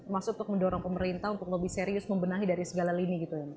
maksud untuk mendorong pemerintah untuk lebih serius membenahi dari segala lini gitu ya